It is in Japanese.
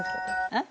えっ？